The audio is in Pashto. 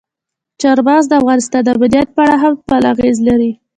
چار مغز د افغانستان د امنیت په اړه هم خپل اغېز لري.